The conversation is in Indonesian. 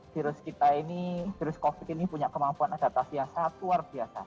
virus kita ini virus covid ini punya kemampuan adaptasi yang sangat luar biasa